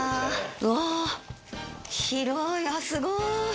うわぁ広いあっすごい。